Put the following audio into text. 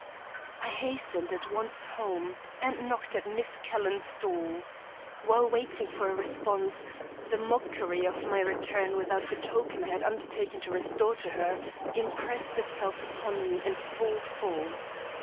I HASTENED at once home, and knocked at Miss Calhoun's door. While waiting for a response, the mockery of my return without the token I had undertaken to restore to her, impressed itself upon me in full force.